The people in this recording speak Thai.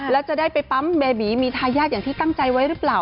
แล้วจะได้ไปปั๊มเบบีมีทายาทอย่างที่ตั้งใจไว้หรือเปล่า